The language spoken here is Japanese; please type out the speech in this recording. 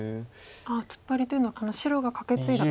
ツッパリというのはこの白がカケツイだ上に。